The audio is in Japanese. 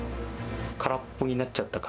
空っぽになっちゃった感